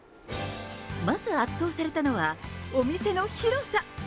まず圧倒されたのは、お店の広さ。